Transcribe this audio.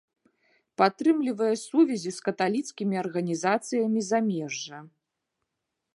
Падтрымлівае сувязі з каталіцкімі арганізацыямі замежжа.